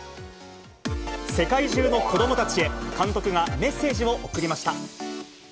世界中の子どもたちへ、監督がメッセージを贈りました。